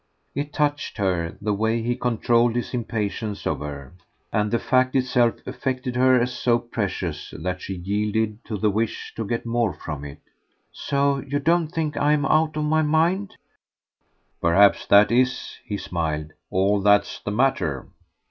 It touched her, the way he controlled his impatience of her; and the fact itself affected her as so precious that she yielded to the wish to get more from it. "So you don't think I'm out of my mind?" "Perhaps that IS," he smiled, "all that's the matter."